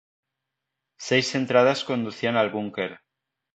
Seis entradas conducían al búnker.